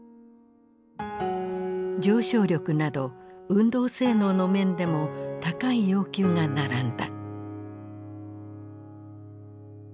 上昇力など運動性能の面でも高い要求が並んだ。